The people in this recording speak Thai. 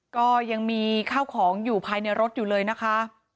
ก็ยังมีข้าวของอยู่ภายในรถอยู่เลยนะคะ